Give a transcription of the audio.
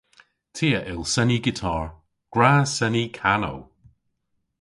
Ty a yll seni gitar. Gwra seni kanow!